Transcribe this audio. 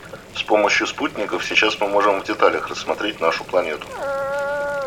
С помощью спутников сейчас мы можем в деталях рассмотреть нашу планету.